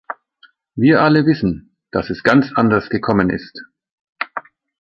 Wir alle wissen, dass es ganz anders gekommen ist.